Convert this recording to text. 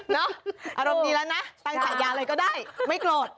อารมณ์ดีแล้วนะตั้งฉายาเลยก็ได้ไม่โกรธ